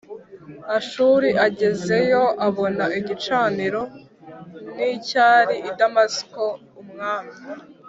Ashuri agezeyo abona igicaniro n cyari i Damasiko Umwami